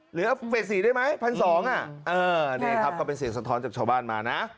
เหลือเอาเฟส๔ได้ไหม๑๒๐๐บาทนี่ครับก็เป็นเสียงสะท้อนจากชาวบ้านมานะ